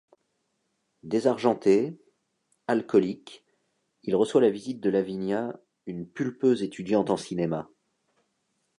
Désargenté, alcoolique il reçoit la visite de Lavinia une pulpeuse étudiante en cinéma.